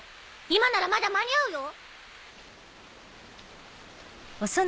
今ならまだ間に合うよ！